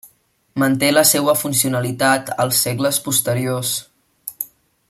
Manté la seua funcionalitat als segles posteriors.